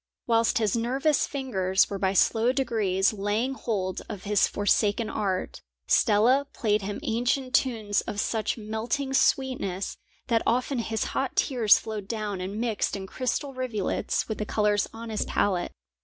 Whilst his nervous fingers were by slow degrees laying hold of his forsaken art, Stella played him ancient tunes of such melting sweetness that often his hot tears flowed down and mixed in crystal rivulets with the colours on his palette.